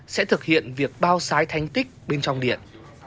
sẽ thực hiện việc bao sái thanh tích bên trong điện